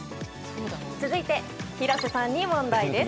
続いて、廣瀬さんに問題です。